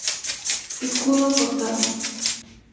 Escudo cortado.